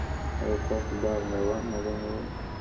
ایا ستاسو باغ مېوه نه ده نیولې؟